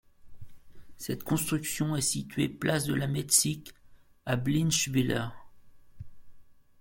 Cette construction est située place de la Metzig à Blienschwiller.